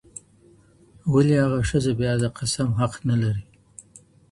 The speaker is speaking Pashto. ولي هغه ښځه بیا د قسم حق نه لري؟